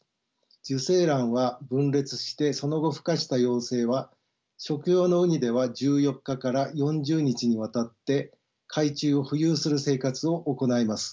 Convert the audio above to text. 受精卵は分裂してその後ふ化した幼生は食用のウニでは１４日から４０日にわたって海中を浮遊する生活を行います。